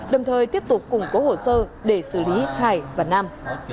đồng thời tiếp tục củng cố hồ sơ để xử lý hải và năm